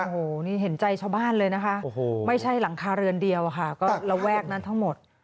โอ้โหนี่เห็นใจชาวบ้านเลยนะคะไม่ใช่หลังคาเรือนเดียวอะค่ะก็ระแวกนั้นทั้งหมด